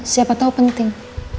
siapa tau penting